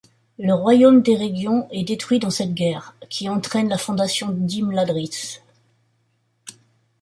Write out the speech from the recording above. Le royaume d'Eregion est détruit dans cette guerre, qui entraîne la fondation d'Imladris.